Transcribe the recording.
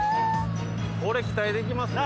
これ期待できますね。